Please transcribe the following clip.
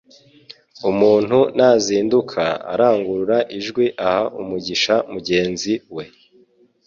Umuntu nazinduka arangurura ijwi aha umugisha mugenzi we